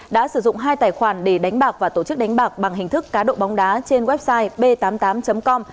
đã sử dụng hai tài khoản để đánh bạc và tổ chức đánh bạc bằng hình thức cá độ bóng đá trên website b tám mươi tám com